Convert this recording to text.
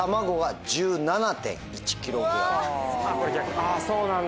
あそうなんだ！